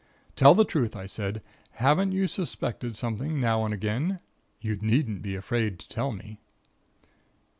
"'Tell the truth,' I said. 'Haven't you suspected something, now and again? You needn't be afraid to tell me.'